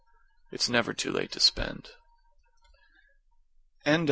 It's never too late to spend.